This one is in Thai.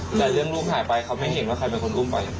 แต่เรื่องลูกหายไปเขาไม่เห็นว่าใครเป็นคนอุ้มไป